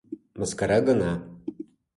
Мыскара гына.